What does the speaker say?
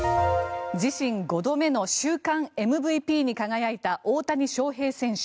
自身５度目の週間ＭＶＰに輝いた大谷翔平選手。